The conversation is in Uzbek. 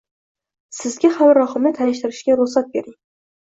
Sizga hamrohimni tanishtirishga ruxsat bering.